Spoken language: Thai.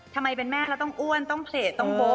ทำไมเป็นแม่เราต้องอ้วนต้องเพลตต้องโบ๊